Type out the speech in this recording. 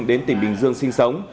đến tỉnh bình dương sinh sống